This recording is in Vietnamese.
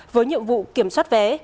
với nhiệm vụ kiểm soát vé